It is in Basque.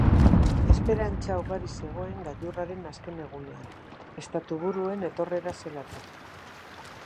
Esperantza ugari zegoen gailurraren azken egunean, estatuburuen etorrera zela eta.